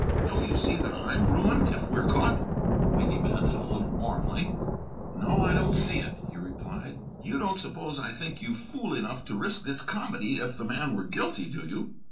"Don't you see that I'm ruined if we're caught?" I demanded, a little warmly. "No, I don't see it," he replied. "You don't suppose I think you fool enough to risk this comedy if the man were guilty, do you?